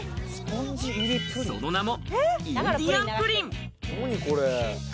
その名もインディアンプリン。